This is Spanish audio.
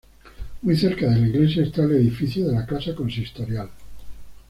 Muy cerca de la iglesia está el edificio de la Casa Consistorial.